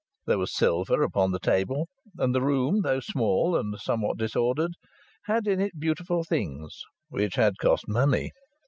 There was silver upon the table, and the room, though small and somewhat disordered, had in it beautiful things which had cost money.